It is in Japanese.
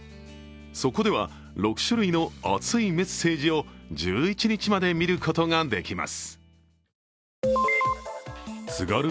そこでは６種類の熱いメッセージを１１日まで見ることができます。